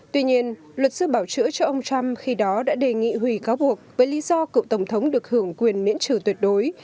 tuy nhiên luật sư bảo chữa cho ông trump khi đó đã đề nghị hủy cáo buộc với lý do cựu tổng thống được hưởng quyền miễn trừ tuyệt đối